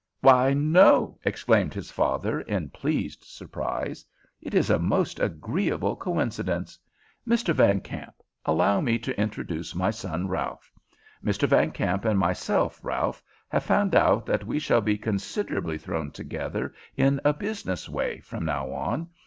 "Why, no!" exclaimed his father in pleased surprise. "It is a most agreeable coincidence. Mr. Van Kamp, allow me to introduce my son, Ralph. Mr. Van Kamp and myself, Ralph, have found out that we shall be considerably thrown together in a business way from now on.